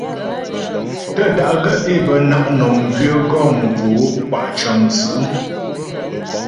Tə́ da'gaə́ é bə na' mnɔm gwyə̌ gɔ mvo'o kwa' cə̀mwtsǔ'.